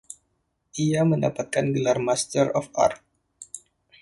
Ia mendapatkan gelar Master of Arts.